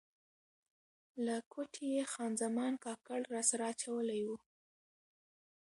له کوټې یې خان زمان کاکړ راسره اچولی و.